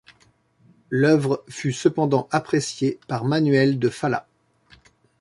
L'œuvre fut cependant appréciée par Manuel de Falla.